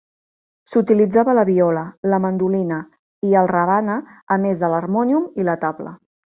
S'utilitzava la viola, la mandolina i el rebana a més de l'harmònium i la tabla.